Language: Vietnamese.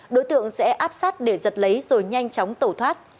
đối tượng sẽ áp sát để giật lấy rồi nhanh chóng tẩu thoát